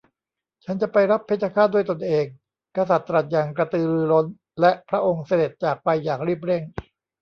ฉันจะไปรับเพชฌฆาตด้วยตนเอง กษัตริย์ตรัสอย่างกระตือรือร้น และพระองค์เสด็จจากไปอย่างรีบเร่ง